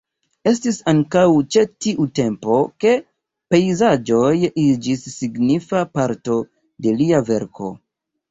Estis ankaŭ ĉe tiu tempo ke pejzaĝoj iĝis signifa parto de lia verko.